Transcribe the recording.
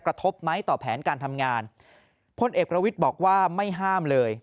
กระทบไหมต่อแผนการทำงานพลเอกประวิทย์บอกว่าไม่ห้ามเลย